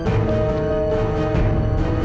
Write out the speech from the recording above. aku beli jaket lah